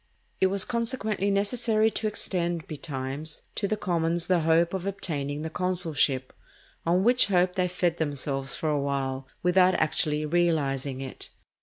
It was consequently necessary to extend, betimes, to the commons the hope of obtaining the consulship, on which hope they fed themselves for a while, without actually realizing it.